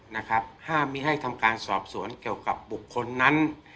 นะครับห้ามมีให้ทำการสอบสวนเกี่ยวกับบุคคลนั้น